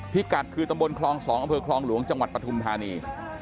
กัดคือตำบลคลอง๒อำเภอคลองหลวงจังหวัดปฐุมธานี